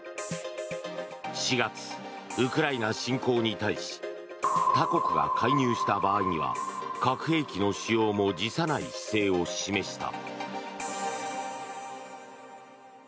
４月、ウクライナ侵攻に対し他国が介入した場合には核兵器の使用も辞さない姿勢を示した。